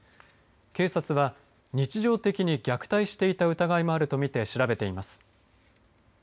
警察は日常的に虐待していた疑いもあると見て調べています。